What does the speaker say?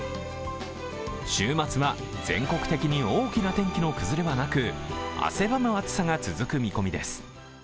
週末は全国的に大きな天気の崩れはなく汗ばむ暑さが続く見込みです。